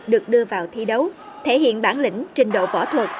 được đưa vào thi đấu thể hiện bản lĩnh trình độ võ thuật